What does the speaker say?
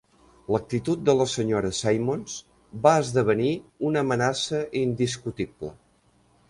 L'actitud de la senyora Simmons va esdevenir una amenaça indiscutible.